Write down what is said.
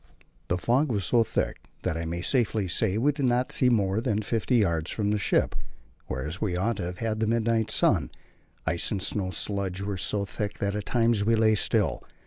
The fog was so thick that I may safely say we did not see more than fifty yards from the ship, whereas we ought to have had the midnight sun; ice and snow sludge were so thick that at times we lay still.